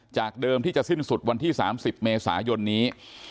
เดิมที่จะสิ้นสุดวันที่๓๐เมษายนนี้